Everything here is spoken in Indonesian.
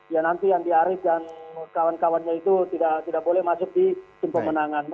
ya nanti andi arief dan kawan kawannya itu tidak boleh masuk di tim pemenangan